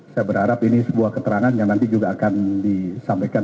saya berharap ini sebuah keterangan yang nanti juga akan disampaikan